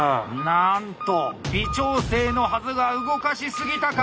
なんと微調整のはずが動かし過ぎたか。